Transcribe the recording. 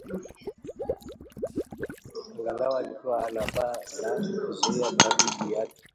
Angalau alikuwa ana paa la kuzuia baridi juu yake